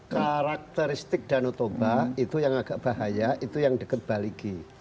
karakteristik danau toba itu yang agak bahaya itu yang dekat baligi